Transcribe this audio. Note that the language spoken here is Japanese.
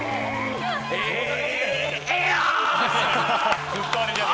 ええやん！